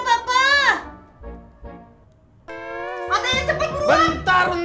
bentar ya beruang matiin